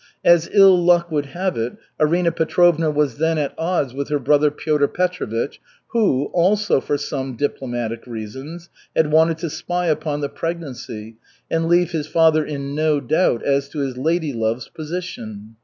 As ill luck would have it, Arina Petrovna was then at odds with her brother Piotr Petrovich who, also for some diplomatic reasons, had wanted to spy upon the pregnancy and leave his father in no doubt as to his lady love's position.